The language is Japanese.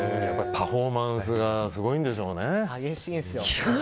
パフォーマンスがすごいんでしょうね。